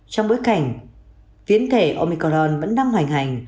trong bối cảnh phiến thể omicron vẫn đang hoành hành